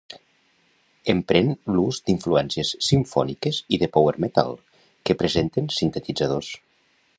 Empren l'ús d'influències simfòniques i de power-metal que presenten sintetitzadors.